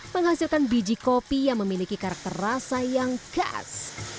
menghasilkan biji kopi yang memiliki karakter rasa yang khas